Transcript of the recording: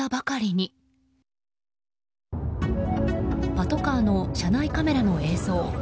パトカーの車内カメラの映像。